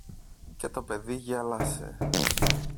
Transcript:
και το παιδί γέλασε.